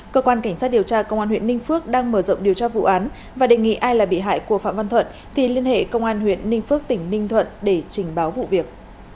cơ quan cảnh sát điều tra công an huyện ninh phước đang mở rộng điều tra vụ án và đề nghị ai là bị hại của phạm văn thuận thì liên hệ công an huyện ninh phước tỉnh ninh thuận để trình báo vụ việc